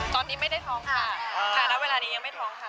ตอนนี้ไม่ได้ท้องค่ะค่ะณเวลานี้ยังไม่ท้องค่ะ